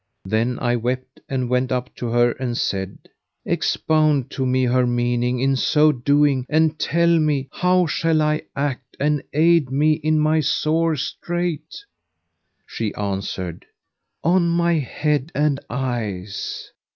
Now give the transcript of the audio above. Then I wept and went up to her and said, "Expound to me her meaning in so doing and tell me how shall I act and aid me in my sore strait." She answered, "On my head and eyes!